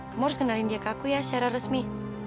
kamu harus kenalin dia ke aku ya secara resmi